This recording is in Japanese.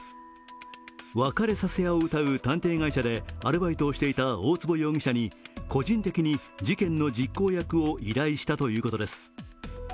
別れさせ屋をうたう探偵会社でアルバイトをしていた大坪容疑者に個人的に事件の実行役を依頼したということです。